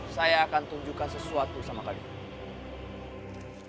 saya akan tunjukkan sesuatu sama kali